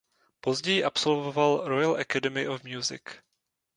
Později absolvoval Royal Academy of Music.